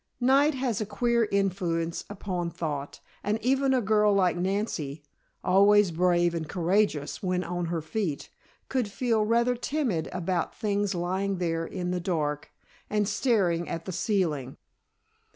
Night has a queer influence upon thought, and even a girl like Nancy, always brave and courageous when on her feet, could feel rather timid about things lying there in the dark, and staring at the ceiling.